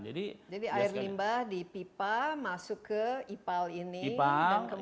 jadi air limbah di pipa masuk ke ipal ini